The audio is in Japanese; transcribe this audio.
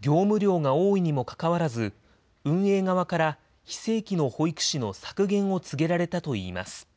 業務量が多いにもかかわらず、運営側から、非正規の保育士の削減を告げられたといいます。